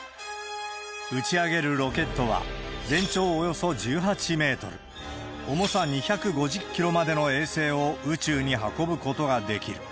打ち上げるロケットは、全長およそ１８メートル、重さ２５０キロまでの衛星を宇宙に運ぶことができる。